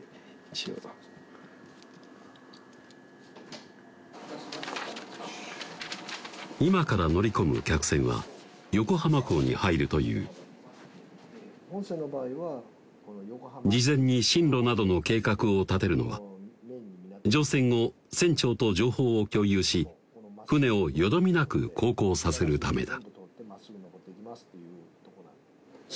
一応は今から乗り込む客船は横浜港に入るという事前に針路などの計画を立てるのは乗船後船長と情報を共有し船をよどみなく航行させるためだ